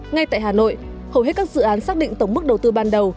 ngay tại hà nội hầu hết các dự án xác định tổng mức đầu tư ban đầu